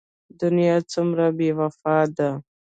دنيا څومره بې وفا ده.